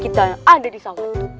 kita yang ada di sawah itu